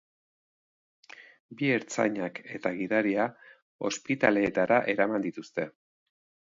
Bi ertzainak eta gidaria ospitaleetara eraman dituzte.